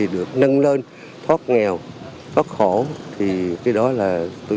được nâng lên thoát nghèo thoát khổ